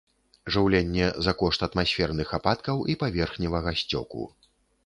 Жыўленне за кошт атмасферных ападкаў і паверхневага сцёку.